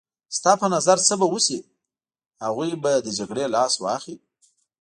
ستا په نظر څه به وشي؟ هغوی به له جګړې لاس واخلي.